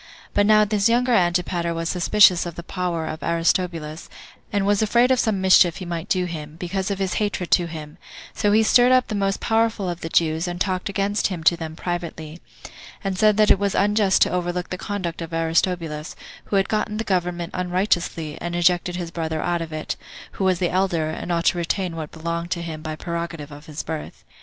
But now this younger Antipater was suspicious of the power of Aristobulus, and was afraid of some mischief he might do him, because of his hatred to him; so he stirred up the most powerful of the Jews, and talked against him to them privately; and said that it was unjust to overlook the conduct of Aristobulus, who had gotten the government unrighteously, and ejected his brother out of it, who was the elder, and ought to retain what belonged to him by prerogative of his birth.